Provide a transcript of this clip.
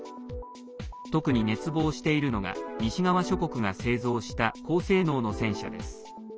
特に熱望しているのが西側諸国が製造した高性能の戦車です。